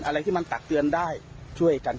อะไรที่มันตักเตือนได้ช่วยกัน